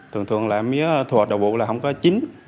thường thường là mía thu hoạch đầu vụ là không có chín